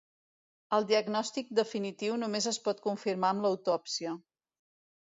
El diagnòstic definitiu només es pot confirmar amb l'autòpsia.